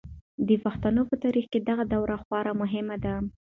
د پښتنو په تاریخ کې دغه دوره خورا مهمه ده.